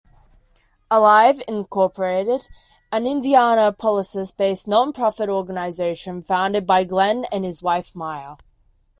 Alive, Incorporated an Indianapolis-based non-profit organization founded by Glenn and his wife, Maya.